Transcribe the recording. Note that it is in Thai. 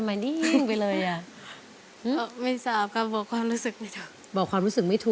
มูลค่า๔๐๐๐๐บาท